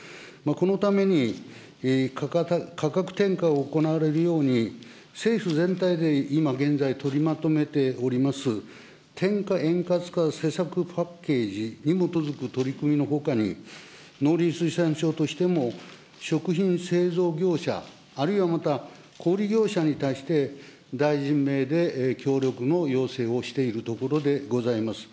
このために、価格転嫁を行われるように、政府全体で今現在取りまとめております転嫁円滑化施策パッケージに基づく取り組みのほかに、農林水産省としても食品製造業者、あるいはまた、小売り業者に対して、大臣名で協力の要請をしているところでございます。